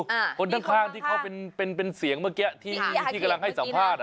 ปลอดภาพมากตอนข้างที่เขาเป็นเสียงเมื่อกี้ที่กำลังให้สัมภาษณ์